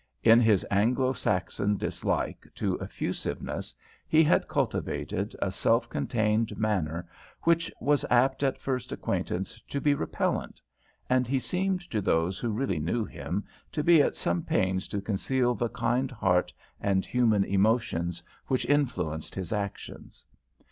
In his Anglo Saxon dislike to effusiveness he had cultivated a self contained manner which was apt at first acquaintance to be repellant, and he seemed to those who really knew him to be at some pains to conceal the kind heart and human emotions which influenced his actions.